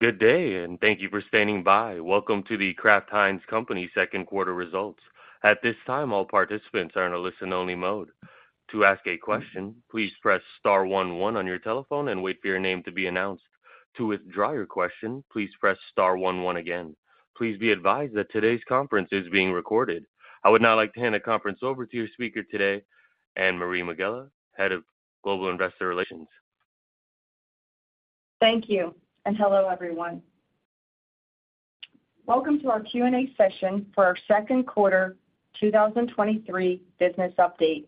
Good day. Thank you for standing by. Welcome to The Kraft Heinz Company Q2 results. At this time, all participants are in a listen-only mode. To ask a question, please press star one one on your telephone and wait for your name to be announced. To withdraw your question, please press star one one again. Please be advised that today's conference is being recorded. I would now like to hand the conference over to your speaker today, Anne-Marie Megela, Head of Global Investor Relations. Thank you, hello, everyone. Welcome to our Q&A session for our Q2, 2023 business update.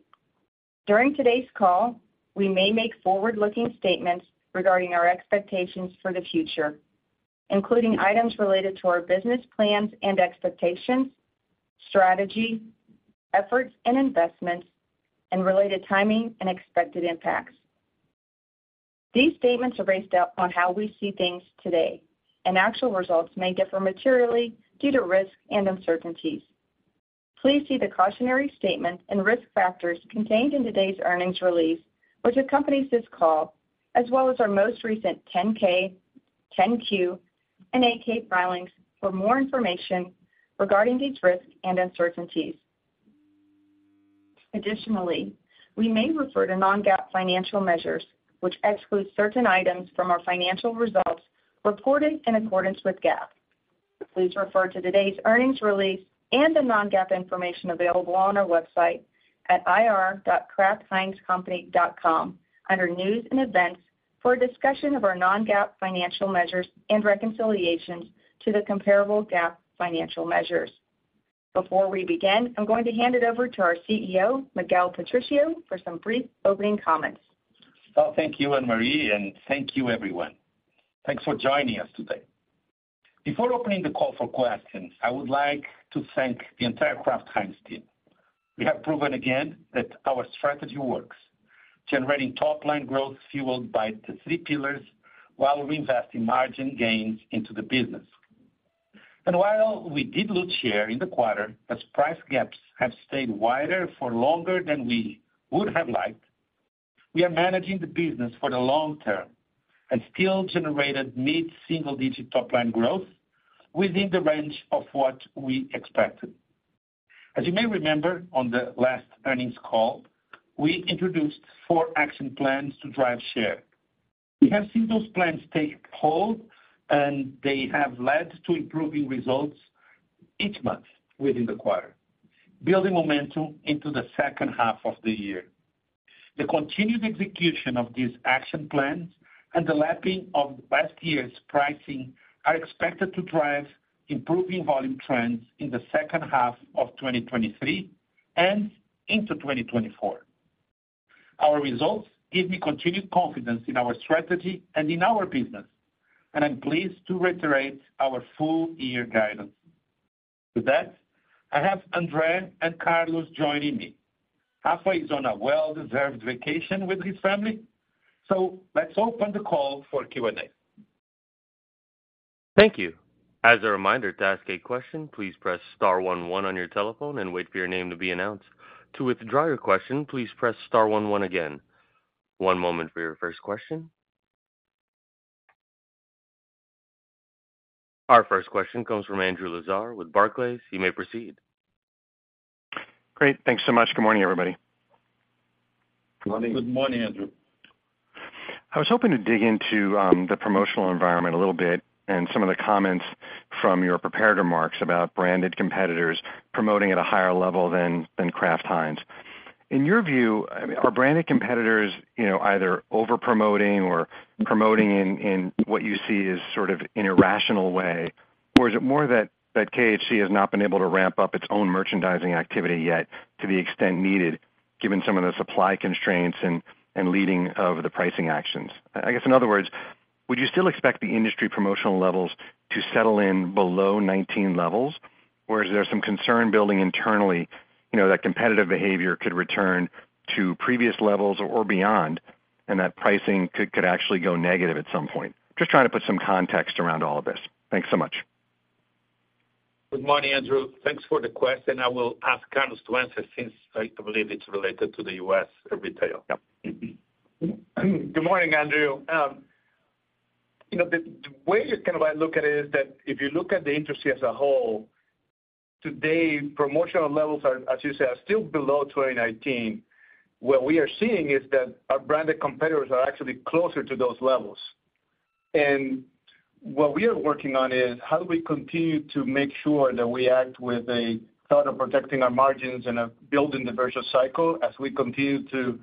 During today's call, we may make forward-looking statements regarding our expectations for the future, including items related to our business plans and expectations, strategy, efforts and investments, and related timing and expected impacts. These statements are based out on how we see things today, actual results may differ materially due to risks and uncertainties. Please see the cautionary statement and risk factors contained in today's earnings release, which accompanies this call, as well as our most recent Form 10-K, Form 10-Q, and Form 8-K filings for more information regarding these risks and uncertainties. Additionally, we may refer to non-GAAP financial measures, which exclude certain items from our financial results reported in accordance with GAAP. Please refer to today's earnings release and the non-GAAP information available on our website at ir.kraftheinzcompany.com under News and Events for a discussion of our non-GAAP financial measures and reconciliations to the comparable GAAP financial measures. Before we begin, I'm going to hand it over to our CEO, Miguel Patricio, for some brief opening comments. Well, thank you, Anne-Marie Megela, and thank you, everyone. Thanks for joining us today. Before opening the call for questions, I would like to thank the entire Kraft Heinz team. We have proven again that our strategy works, generating top-line growth fueled by the three pillars, while reinvesting margin gains into the business. While we did lose share in the quarter, as price gaps have stayed wider for longer than we would have liked, we are managing the business for the long term and still generated mid single-digit top-line growth within the range of what we expected. As you may remember, on the last earnings call, we introduced four action plans to drive share. We have seen those plans take hold, and they have led to improving results each month within the quarter, building momentum into the second half of the year. The continued execution of these action plans and the lapping of last year's pricing are expected to drive improving volume trends in the second half of 2023 and into 2024. Our results give me continued confidence in our strategy and in our business, and I'm pleased to reiterate our full year guidance. With that, I have Andre and Carlos joining me. Rafa is on a well-deserved vacation with his family, so let's open the call for Q&A. Thank you. As a reminder, to ask a question, please press star one one on your telephone and wait for your name to be announced. To withdraw your question, please press star one one again. One moment for your first question. Our first question comes from Andrew Lazar with Barclays. You may proceed. Great. Thanks so much. Good morning, everybody. Good morning, Andrew. I was hoping to dig into the promotional environment a little bit and some of the comments from your prepared remarks about branded competitors promoting at a higher level than Kraft Heinz. In your view, are branded competitors, you know, either over-promoting or promoting in what you see as sort of an irrational way? Or is it more that KHC has not been able to ramp up its own merchandising activity yet to the extent needed, given some of the supply constraints and leading of the pricing actions? I guess, in other words, would you still expect the industry promotional levels to settle in below 2019 levels, or is there some concern building internally, you know, that competitive behavior could return to previous levels or beyond, and that pricing could actually go negative at some point? Just trying to put some context around all of this. Thanks so much. Good morning, Andrew. Thanks for the question. I will ask Carlos to answer since I believe it's related to the U.S. retail. Good morning, Andrew. You know, the, the way you kind of look at it is that if you look at the industry as a whole, today, promotional levels are, as you said, are still below 2019. What we are seeing is that our branded competitors are actually closer to those levels. What we are working on is how do we continue to make sure that we act with a thought of protecting our margins and of building the virtuous cycle as we continue to,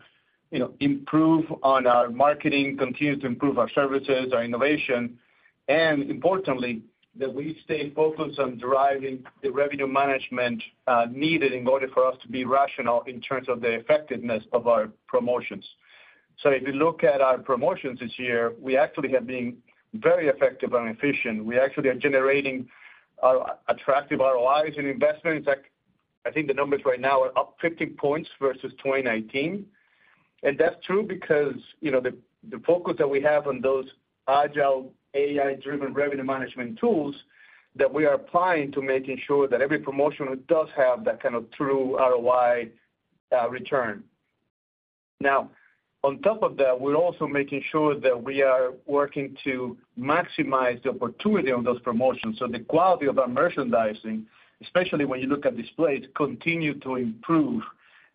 you know, improve on our marketing, continue to improve our services, our innovation, and importantly, that we stay focused on deriving the revenue management needed in order for us to be rational in terms of the effectiveness of our promotions. If you look at our promotions this year, we actually have been very effective and efficient. We actually are generating attractive ROIs on our investments. In fact, I think the numbers right now are up 50 points versus 2019, and that's true because, you know, the, the focus that we have on those agile, AI-driven revenue management tools that we are applying to making sure that every promotion does have that kind of true ROI return. On top of that, we're also making sure that we are working to maximize the opportunity on those promotions. The quality of our merchandising, especially when you look at displays, continues to improve.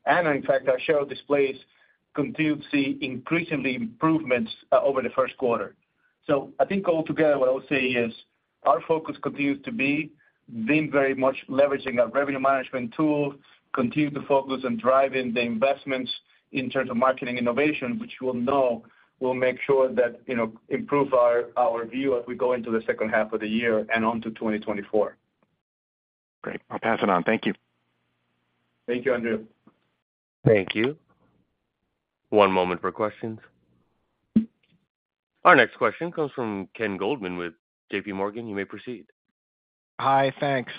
In fact, our share of displays continue to see increasingly improvements over the Q1. I think altogether, what I would say is, our focus continues to be being very much leveraging our revenue management tool, continue to focus on driving the investments in terms of marketing innovation, which you will know will make sure that, you know, improve our, our view as we go into the second half of the year and onto 2024. Great. I'll pass it on. Thank you. Thank you, Andrew. Thank you. One moment for questions. Our next question comes from Ken Goldman with JPMorgan. You may proceed. Hi, thanks.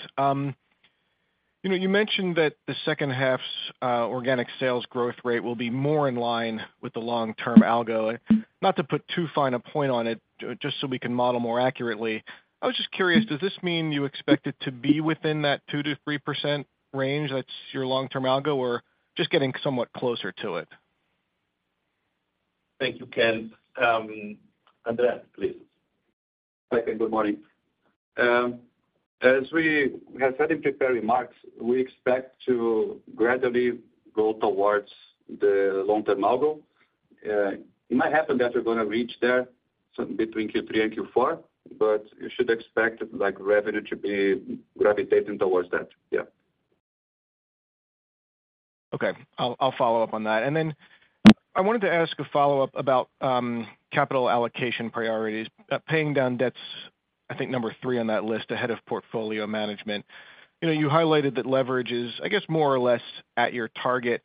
You know, you mentioned that the second half's organic sales growth rate will be more in line with the long-term algo. Not to put too fine a point on it, just so we can model more accurately, I was just curious, does this mean you expect it to be within that 2%-3% range that's your long-term algo, or just getting somewhat closer to it? Thank you, Ken. Andre, please. Hi, Ken. Good morning. As we have said in prepared remarks, we expect to gradually go towards the long-term algo. It might happen that we're gonna reach there between Q3 and Q4, but you should expect, like, revenue to be gravitating towards that. Yeah. Okay. I'll, I'll follow up on that. I wanted to ask a follow-up about capital allocation priorities. Paying down debts, I think number three on that list ahead of portfolio management. You know, you highlighted that leverage is, I guess, more or less at your target.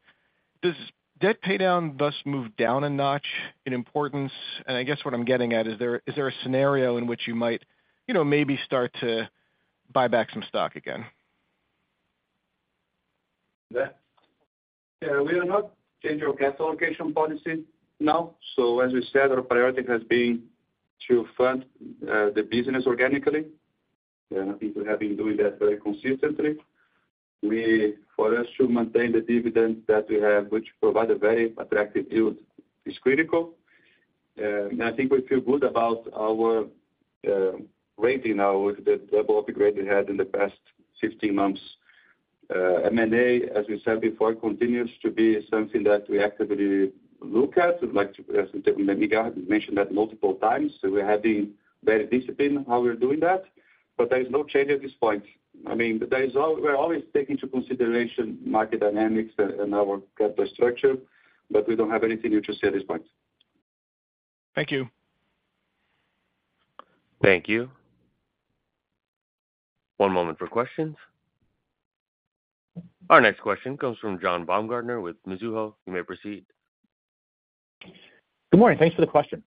Does debt pay down thus move down a notch in importance? I guess what I'm getting at, is there, is there a scenario in which you might, you know, maybe start to buy back some stock again? We are not changing our capital allocation policy now. As we said, our priority has been to fund the business organically. I think we have been doing that very consistently. For us to maintain the dividend that we have, which provide a very attractive yield, is critical. I think we feel good about our rating now, with the double upgrade we had in the past 16 months. M&A, as we said before, continues to be something that we actively look at. We'd like to, as Andre Maciel mentioned that multiple times, so we're having very disciplined how we're doing that, but there is no change at this point. I mean, we're always taking into consideration market dynamics and, and our capital structure, but we don't have anything new to say at this point. Thank you. Thank you. One moment for questions. Our next question comes from John Baumgartner with Mizuho. You may proceed. Good morning. Thanks for the question.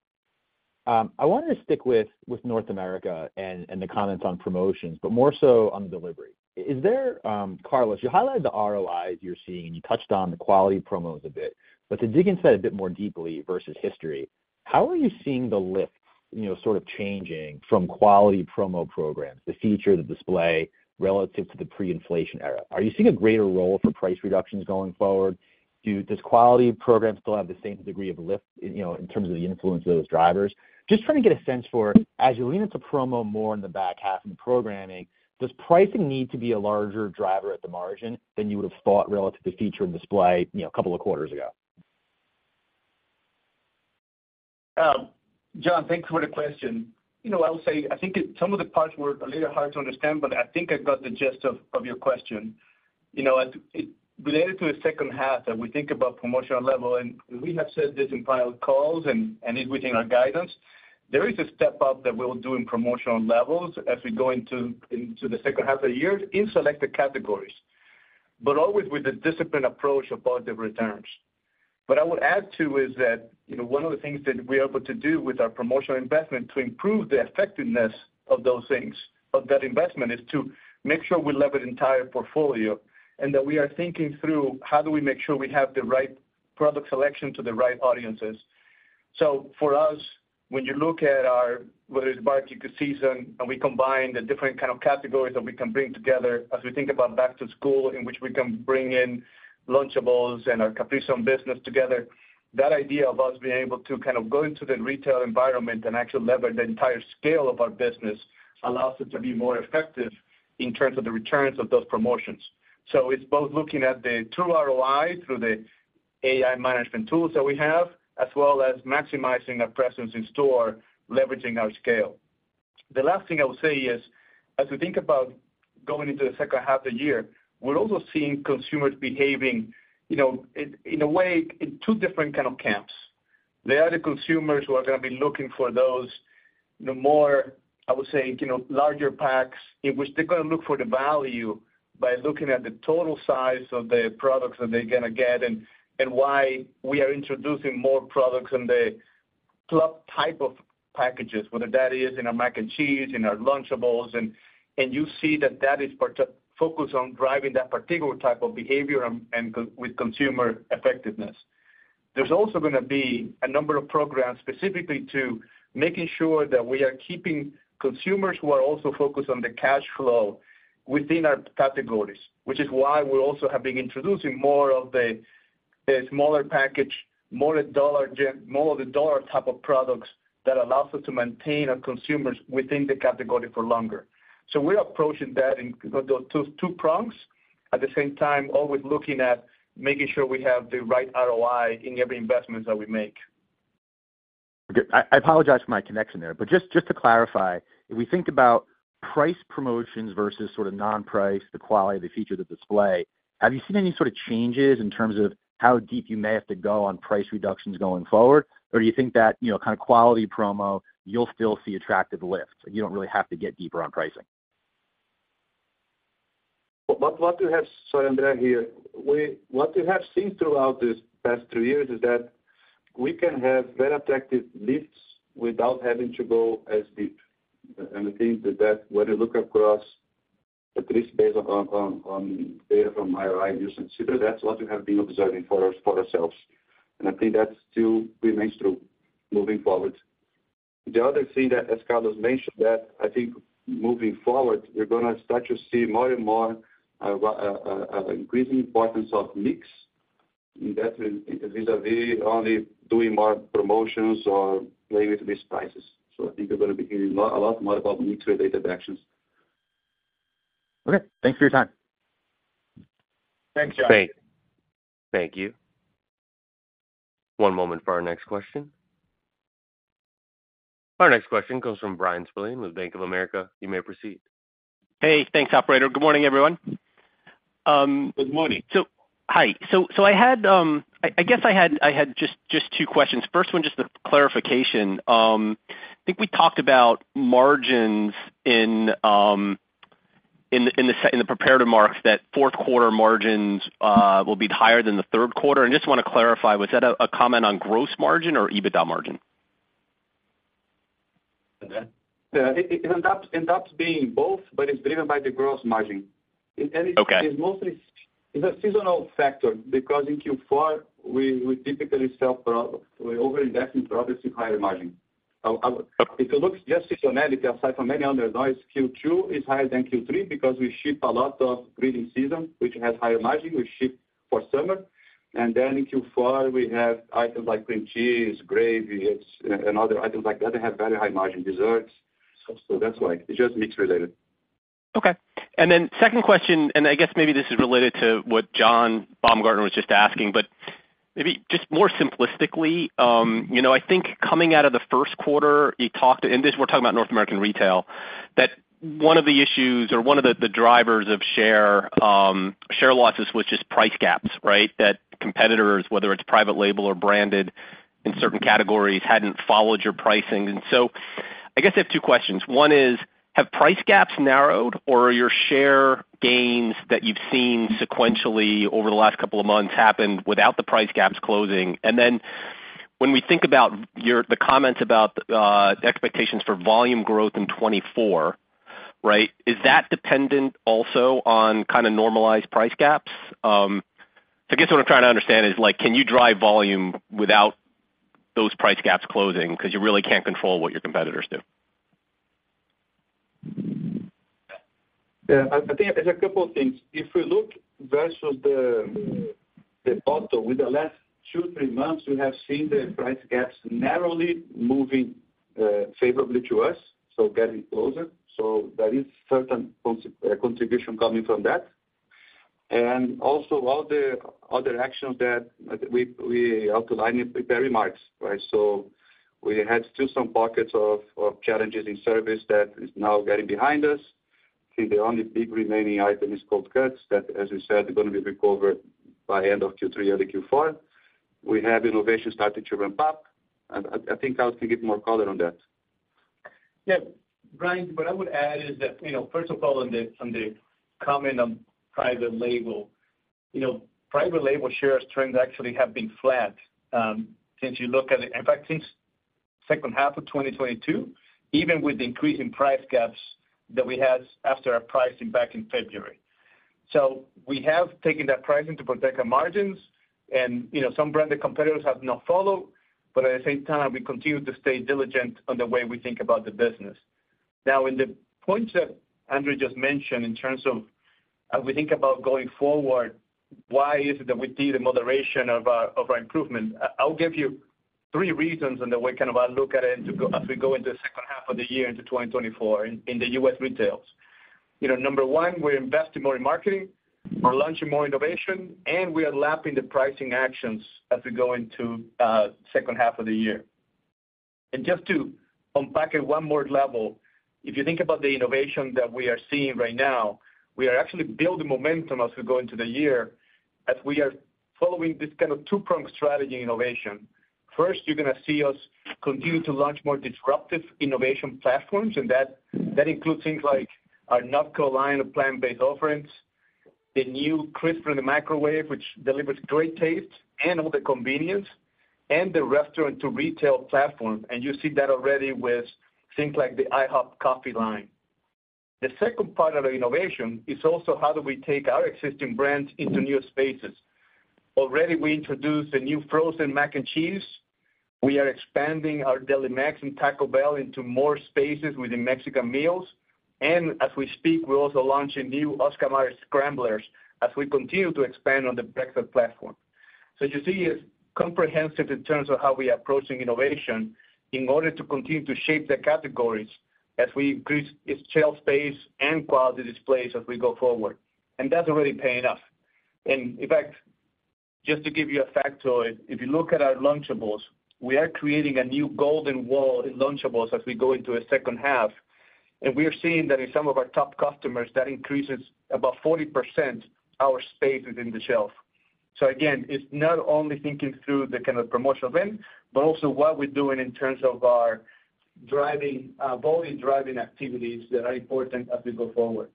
I wanted to stick with, with North America and, and the comments on promotions, but more so on the delivery. Is there, Carlos, you highlighted the ROIs you're seeing, you touched on the quality promos a bit, but to dig inside a bit more deeply versus history, how are you seeing the lift, you know, sort of changing from quality promo programs, the feature, the display, relative to the pre-inflation era? Are you seeing a greater role for price reductions going forward? Does quality programs still have the same degree of lift, you know, in terms of the influence of those drivers? Just trying to get a sense for, as you lean into promo more in the back half in the programming, does pricing need to be a larger driver at the margin than you would have thought relative to feature and display, you know, a couple of quarters ago? John, thanks for the question. You know, I'll say, I think some of the parts were a little hard to understand, but I think I got the gist of your question. You know, as it related to the second half, as we think about promotional level, and we have said this in prior calls and it's within our guidance, there is a step up that we'll do in promotional levels as we go into the second half of the year in selected categories, but always with a disciplined approach about the returns. What I would add, too, is that, you know, one of the things that we're able to do with our promotional investment to improve the effectiveness of those things, of that investment, is to make sure we lever the entire portfolio, and that we are thinking through how do we make sure we have the right product selection to the right audiences. For us, when you look at our, whether it's barbecue season, and we combine the different kind of categories that we can bring together, as we think about back to school, in which we can bring in Lunchables and our Capri Sun business together, that idea of us being able to kind of go into the retail environment and actually lever the entire scale of our business allows it to be more effective in terms of the returns of those promotions. It's both looking at the true ROI through the AI management tools that we have, as well as maximizing our presence in store, leveraging our scale. The last thing I will say is, as we think about going into the second half of the year, we're also seeing consumers behaving, you know, in, in a way, in two different kind of camps. There are the consumers who are gonna be looking for those, the more, I would say, you know, larger packs, in which they're gonna look for the value by looking at the total size of the products that they're gonna get, and why we are introducing more products in the club type of packages, whether that is in our Mac and Cheese, in our Lunchables, and you see that that is focused on driving that particular type of behavior with consumer effectiveness. There's also gonna be a number of programs specifically to making sure that we are keeping consumers who are also focused on the cash flow within our categories, which is why we also have been introducing more of a smaller package, more a Dollar General, more of the dollar type of products that allows us to maintain our consumers within the category for longer. We're approaching that in those two prongs, at the same time, always looking at making sure we have the right ROI in every investment that we make. Good. I, I apologize for my connection there, but just to clarify, if we think about price promotions versus sort of non-price, the quality, the feature, the display, have you seen any sort of changes in terms of how deep you may have to go on price reductions going forward? Do you think that, you know, kind of quality promo, you'll still see attractive lifts, and you don't really have to get deeper on pricing? Sorry, Andre, here. What we have seen throughout this past two years is that we can have very attractive lifts without having to go as deep. I think that, when you look across at least based on data from IRI and NielsenIQ, that's what we have been observing for ourselves. I think that still remains true moving forward. The other thing that, as Carlos mentioned, that I think moving forward, we're gonna start to see more and more a increasing importance of mix, and that vis-à-vis only doing more promotions or playing with these prices. I think you're gonna be hearing a lot more about mix-related actions. Okay. Thanks for your time. Thanks, John. Thanks. Thank you. One moment for our next question. Our next question comes from Bryan Spillane with Bank of America. You may proceed. Hey, thanks, operator. Good morning, everyone. Good morning. Hi. I had, I guess I had just two questions. First one, just a clarification. I think we talked about margins in the prepared remarks, that Q4 margins will be higher than the Q3. I just wanna clarify, was that a comment on gross margin or EBITDA margin? Andre? Yeah, it ends up, ends up being both, but it's driven by the gross margin. Okay. It's mostly It's a seasonal factor because in Q4, we typically sell we overindex in products with higher margin. If you look just seasonally, aside from many others, Q2 is higher than Q3 because we ship a lot of grilling season, which has higher margin. We ship for summer, then in Q4, we have items like cream cheese, gravy, other items like that, they have very high margin desserts. That's why. It's just mix related. Okay. Then second question, and I guess maybe this is related to what John Baumgartner was just asking, but maybe just more simplistically, you know, I think coming out of the Q1, you talked, and this, we're talking about North American retail, that one of the issues or one of the, the drivers of share, share losses, was just price gaps, right? That competitors, whether it's private label or branded in certain categories, hadn't followed your pricing. So I guess I have two questions. One is, have price gaps narrowed, or are your share gains that you've seen sequentially over the last couple of months happened without the price gaps closing? Then when we think about your-- the comments about expectations for volume growth in 2024, right, is that dependent also on kind of normalized price gaps? I guess what I'm trying to understand is, like, can you drive volume without those price gaps closing because you really can't control what your competitors do? Yeah, I, I think there's a couple of things. If we look versus the, the bottom with the last two, three months, we have seen the price gaps narrowly moving favorably to us, so getting closer. There is certain contribution coming from that. Also all the other actions that we, we outlined in the remarks, right? We had still some pockets of challenges in service that is now getting behind us. I think the only big remaining item is cold cuts, that, as we said, are gonna be recovered by end of Q3 or the Q4. We have innovation starting to ramp up, and I, I think Carlos can give more color on that. Yeah, Brian, what I would add is that, you know, first of all, on the, on the comment on private label, you know, private label shares trends actually have been flat since you look at it. In fact, since second half of 2022, even with the increase in price gaps that we had after our pricing back in February. We have taken that pricing to protect our margins and, you know, some branded competitors have not followed, but at the same time, we continue to stay diligent on the way we think about the business. In the points that Andre just mentioned, in terms of as we think about going forward, why is it that we see the moderation of our, of our improvement? I'll give you three reasons and the way kind of I look at it as we go into the second half of the year, into 2024 in, in the U.S. retails. You know, number one, we're investing more in marketing, we're launching more innovation, and we are lapping the pricing actions as we go into second half of the year. Just to unpack it one more level, if you think about the innovation that we are seeing right now, we are actually building momentum as we go into the year, as we are following this kind of two-pronged strategy innovation. First, you're gonna see us continue to launch more disruptive innovation platforms, and that, that includes things like our NotCo line of plant-based offerings, the new 360CRISP, which delivers great taste and all the convenience, and the restaurant-to-retail platform, and you see that already with things like the IHOP Coffee line. The second part of the innovation is also how do we take our existing brands into new spaces? Already, we introduced the new Kraft Mac & Cheese Deluxe Frozen. We are expanding our Delimex and Taco Bell at Home into more spaces within Mexican meals. As we speak, we're also launching new Oscar Mayer Scramblers as we continue to expand on the breakfast platform. You see, it's comprehensive in terms of how we are approaching innovation in order to continue to shape the categories as we increase its shelf space and quality displays as we go forward, and that's already paying off. In fact, just to give you a factoid, if you look at our Lunchables, we are creating a new golden wall in Lunchables as we go into a second half. We are seeing that in some of our top customers, that increases about 40% our spaces in the shelf. Again, it's not only thinking through the kind of promotional event, but also what we're doing in terms of our driving, volume driving activities that are important as we go forward.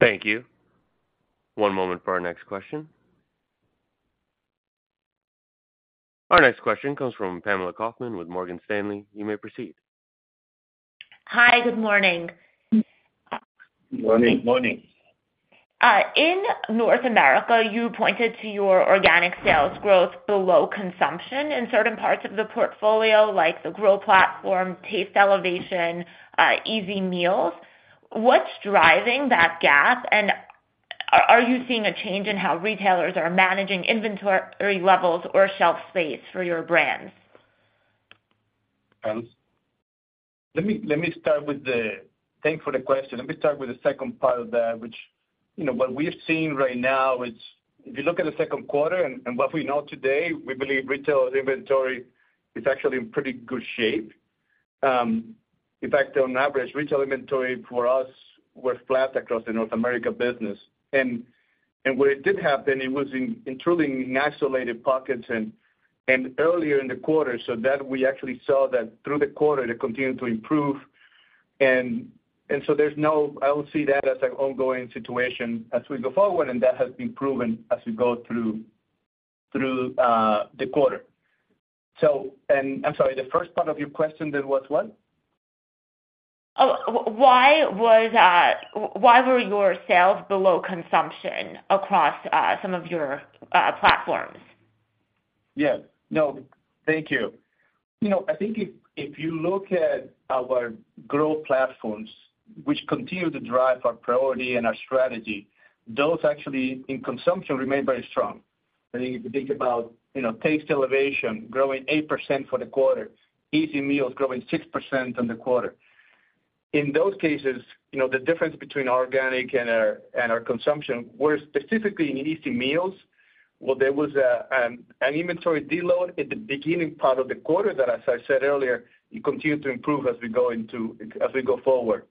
Thank you. One moment for our next question. Our next question comes from Pamela Kaufman with Morgan Stanley. You may proceed. Hi, good morning. Good morning. Morning. In North America, you pointed to your organic sales growth below consumption in certain parts of the portfolio, like the GROW Platform, Taste Elevation, Easy Meals. What's driving that gap? Are, are you seeing a change in how retailers are managing inventory levels or shelf space for your brands? Pam? Let me, let me start with the. Thank for the question. Let me start with the second part of that, which, you know, what we've seen right now is if you look at the Q2 and, and what we know today, we believe retailer inventory is actually in pretty good shape. In fact, on average, retail inventory for us was flat across the North America business. Where it did happen, it was in, in truly in isolated pockets and, and earlier in the quarter, so that we actually saw that through the quarter, it continued to improve. There's no, I don't see that as an ongoing situation as we go forward, and that has been proven as we go through, through the quarter. I'm sorry, the first part of your question then was what? Oh, why were your sales below consumption across some of your platforms? Yes. No, thank you. You know, I think if, if you look at our growth platforms, which continue to drive our priority and our strategy, those actually, in consumption, remain very strong. I think if you think about, you know, Taste Elevation growing 8% for the quarter, Easy Meals growing 6% in the quarter. In those cases, you know, the difference between organic and our, and our consumption were specifically in Easy Meals, where there was an inventory deload at the beginning part of the quarter, that, as I said earlier, it continued to improve as we go into, as we go forward.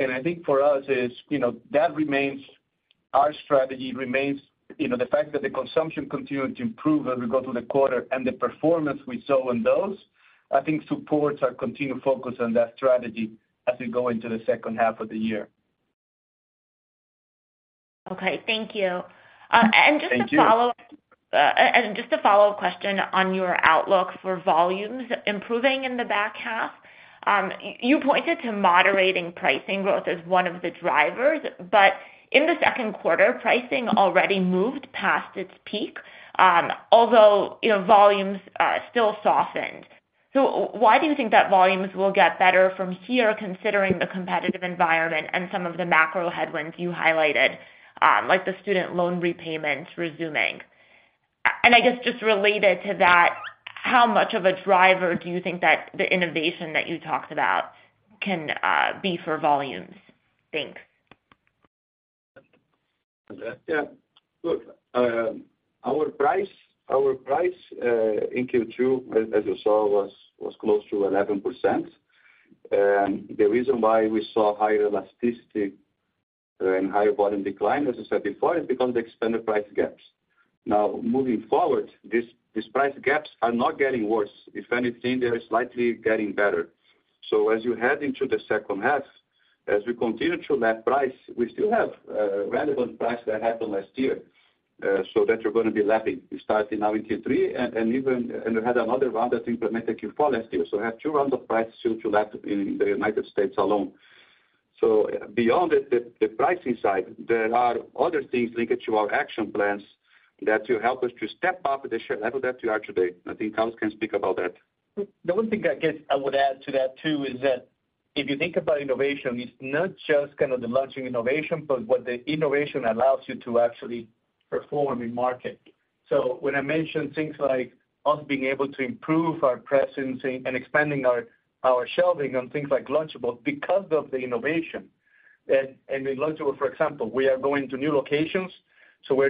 I think for us is, you know, that remains, our strategy remains, you know, the fact that the consumption continued to improve as we go through the quarter and the performance we saw on those, I think supports our continued focus on that strategy as we go into the second half of the year. Okay. Thank you. Thank you. Just a follow-up question on your outlook for volumes improving in the back half. You pointed to moderating pricing growth as one of the drivers, but in the Q2, pricing already moved past its peak, although, you know, volumes still softened. Why do you think that volumes will get better from here, considering the competitive environment and some of the macro headwinds you highlighted, like the student loan repayments resuming? I guess just related to that, how much of a driver do you think that the innovation that you talked about can be for volumes? Thanks. Yeah. Look, our price, our price in Q2, as you saw, was close to 11%. The reason why we saw higher elasticity and higher volume decline, as I said before, is because of the expanded price gaps. Moving forward, these price gaps are not getting worse. If anything, they are slightly getting better. As you head into the second half, as we continue to lap price, we still have relevant price that happened last year, so that you're going to be lapping. We started now in Q3 and even we had another round that implemented Q4 last year. We have two rounds of price still to lap in the United States alone. Beyond the, the, the pricing side, there are other things linked to our action plans that will help us to step up the share level that we are today. I think Carlos can speak about that. The only thing I guess I would add to that, too, is that if you think about innovation, it's not just kind of the launching innovation, but what the innovation allows you to actually perform in market. When I mention things like us being able to improve our presence and, and expanding our, our shelving on things like Lunchables because of the innovation. And with Lunchables, for example, we are going to new locations, so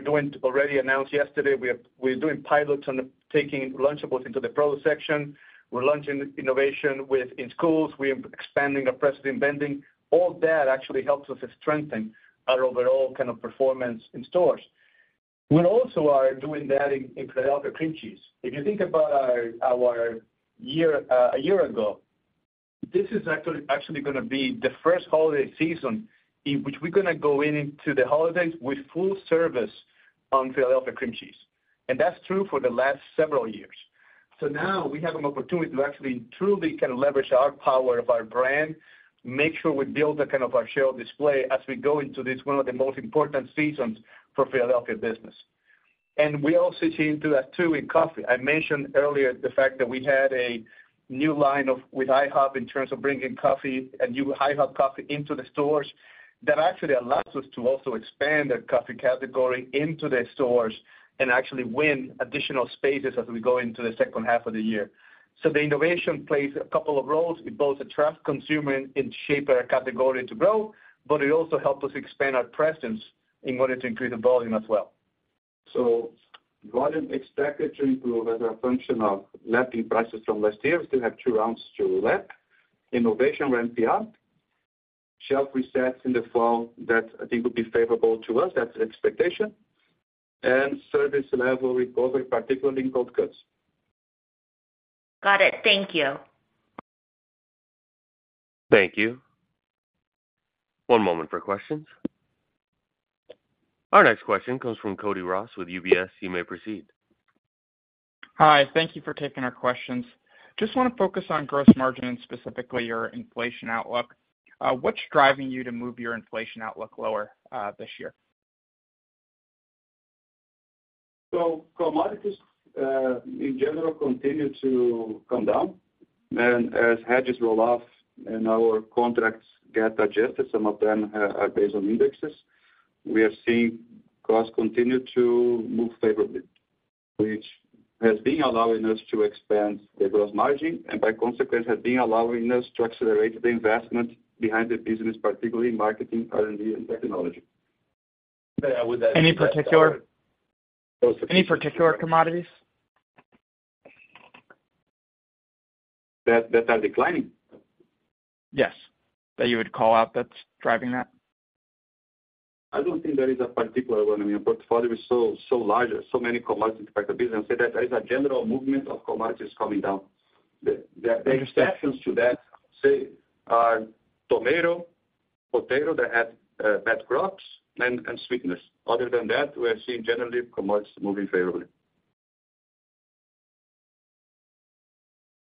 Already announced yesterday, we're doing pilots on taking Lunchables into the produce section. We're launching innovation within schools. We are expanding our presence in vending. All that actually helps us to strengthen our overall kind of performance in stores. We also are doing that in Philadelphia Cream Cheese. If you think about our year, a year ago, this is actually, actually gonna be the first holiday season in which we're gonna go into the holidays with full service on Philadelphia Cream Cheese. That's true for the last several years. Now we have an opportunity to actually truly kind of leverage our power of our brand, make sure we build the kind of our share of display as we go into this, one of the most important seasons for Philadelphia business. We also see into that, too, in coffee. I mentioned earlier the fact that we had a new line of, with IHOP, in terms of bringing coffee, a new IHOP Coffee into the stores. That actually allows us to also expand the coffee category into the stores and actually win additional spaces as we go into the second half of the year. The innovation plays a couple of roles. It both attracts consumer and shape a category to grow, but it also helps us expand our presence in order to increase the volume as well. volume expected to improve as a function of lapping prices from last year. We still have two rounds to lap. Innovation ramped up, shelf resets in the fall that I think will be favorable to us. That's an expectation. service level recovery, particularly in cold cuts. Got it. Thank you. Thank you. One moment for questions. Our next question comes from Cody Ross with UBS. You may proceed. Hi, thank you for taking our questions. Just want to focus on gross margin and specifically your inflation outlook. What's driving you to move your inflation outlook lower, this year? Commodities, in general, continue to come down. As hedges roll off and our contracts get adjusted, some of them are based on indexes, we are seeing costs continue to move favorably, which has been allowing us to expand the gross margin, and by consequence, has been allowing us to accelerate the investment behind the business, particularly in marketing, R&D, and technology. Yeah, I would add that... Any particular, any particular commodities? That, that are declining? Yes, that you would call out, that's driving that. I don't think there is a particular one. I mean, our portfolio is so, so large. There's so many commodities across the business, that there is a general movement of commodities coming down. The exceptions to that, say, are tomato, potato, that had bad crops and sweetness. Other than that, we are seeing generally commodities moving favorably.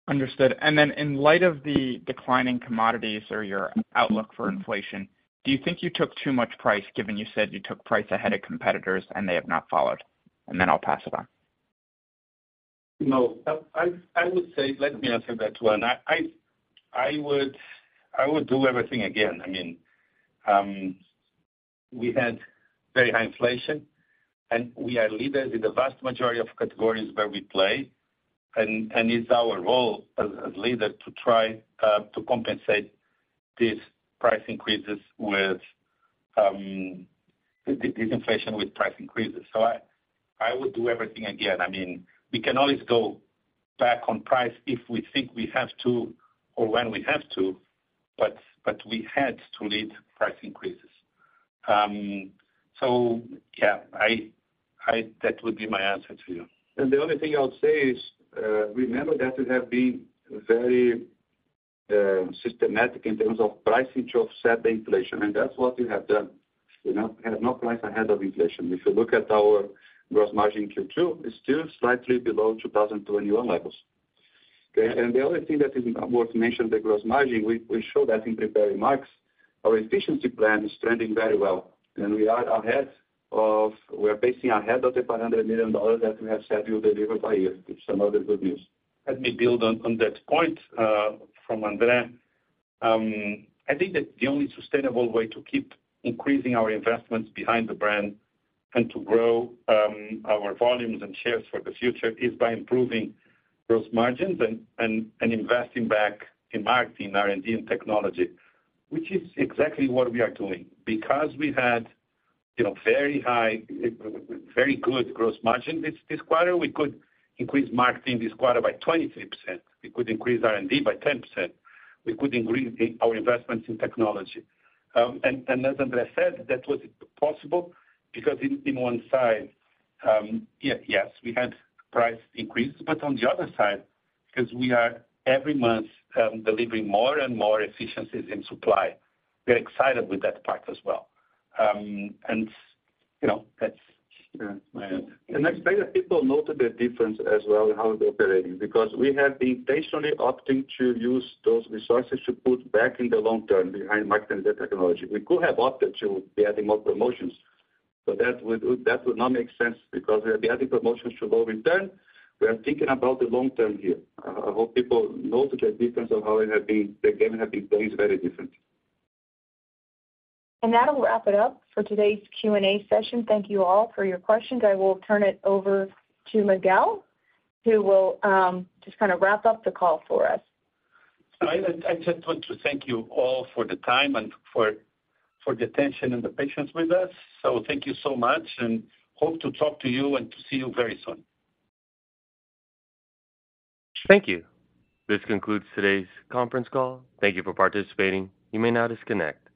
Understood. In light of the declining commodities or your outlook for inflation, do you think you took too much price, given you said you took price ahead of competitors and they have not followed? I'll pass it on. No, I would say. Let me answer that one. I would do everything again. I mean, we had very high inflation, and we are leaders in the vast majority of categories where we play, and it's our role as leader to try to compensate these price increases with this inflation with price increases. I would do everything again. I mean, we can always go back on price if we think we have to or when we have to, but we had to lead price increases. Yeah, that would be my answer to you. The only thing I would say is, remember that we have been very systematic in terms of pricing to offset the inflation, and that's what we have done. We have not set prices ahead of inflation. If you look at our gross margin in Q2, it's still slightly below 2021 levels. The other thing that is worth mentioning, the gross margin, we, we showed that in prepared remarks. Our efficiency plan is trending very well, and we're pacing ahead of the $500 million that we have said we'll deliver by year, which is some other good news. Let me build on, on that point, from Andre. I think that the only sustainable way to keep increasing our investments behind the brand and to grow our volumes and shares for the future, is by improving gross margins and, and, and investing back in marketing, R&D, and technology, which is exactly what we are doing. We had, you know, very high, very good gross margin this, this quarter, we could increase marketing this quarter by 23%. We could increase R&D by 10%. We could increase our investments in technology. As Andre said, that was possible because in, in one side, yes, we had price increases, but on the other side, because we are every month delivering more and more efficiencies in supply. We're excited with that part as well. You know, that's my- I think that people note the difference as well in how we're operating, because we have been intentionally opting to use those resources to put back in the long term behind market and the technology. We could have opted to be adding more promotions, but that would, that would not make sense because we are adding promotions for low return. We are thinking about the long term here. I hope people note the difference of how it has been, the game has been played very differently. That'll wrap it up for today's Q&A session. Thank you all for your questions. I will turn it over to Miguel, who will just kind of wrap up the call for us. I just want to thank you all for the time and for the attention and the patience with us. Thank you so much and hope to talk to you and to see you very soon. Thank you. This concludes today's conference call. Thank you for participating. You may now disconnect.